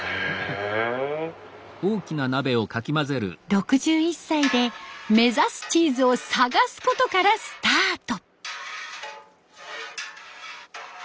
６１歳で目指すチーズを探すことからスタート。